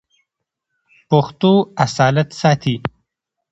پښتو اصالت ساتي.